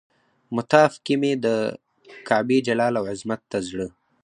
مطاف کې مې د کعبې جلال او عظمت ته زړه.